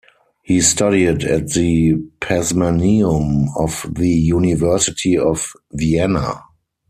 He studied at the Pazmaneum of the University of Vienna.